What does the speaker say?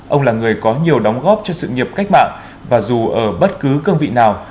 ông là người có nhiều đóng góp cho sự nghiệp cách mạng và dù ở bất cứ cương vị nào